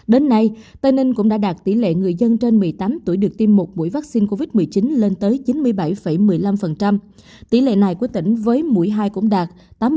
đến nay tây ninh cũng đã đạt tỷ lệ người dân trên một mươi tám tuổi được tiêm một mũi vaccine covid một mươi chín lên tới chín mươi bảy một mươi năm tỷ lệ này của tỉnh với mũi hai cũng đạt tám mươi chín